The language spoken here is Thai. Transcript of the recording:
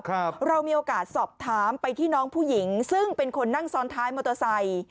เรามีโอกาสสอบถามไปที่น้องผู้หญิงซึ่งเป็นคนนั่งซ้อนท้ายมอเตอร์ไซค์